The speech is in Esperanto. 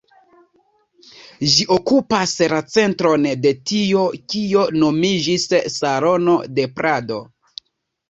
Ĝi okupas la centron de tio kio nomiĝis Salono de Prado.